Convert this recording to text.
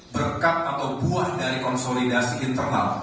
berkat atau buah dari konsolidasi internal